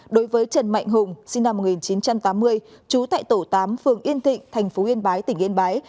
đối với trần mạnh hùng sinh năm một nghìn chín trăm tám mươi trú tại tổ tám phường yên thịnh thành phố yên bái tỉnh yên bái